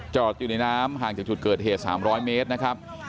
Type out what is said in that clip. อยู่ในน้ำห่างจากจุดเกิดเหตุ๓๐๐เมตรนะครับ